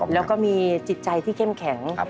แล้วก็มีจิตใจที่เข้มแข็ง